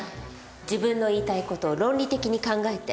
自分の言いたい事を論理的に考えて。